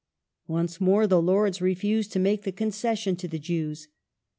Once more the Lords refused to make the concession to the Jews.